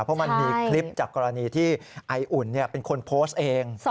เพราะมันมีคลิปจากกรณีที่ไออุ่นเป็นคนโพสต์เอง